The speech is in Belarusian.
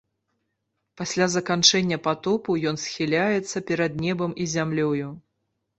Пасля заканчэння патопу ён схіляецца перад небам і зямлёю.